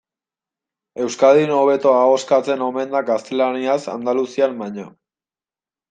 Euskadin hobeto ahoskatzen omen da gaztelaniaz Andaluzian baino.